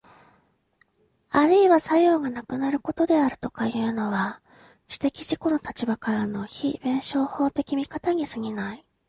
あるいは作用がなくなることであるとかいうのは、知的自己の立場からの非弁証法的見方に過ぎない。